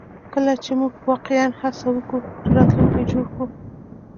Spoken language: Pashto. کله چې موږ واقعیا هڅه وکړو چې راتلونکی جوړ کړو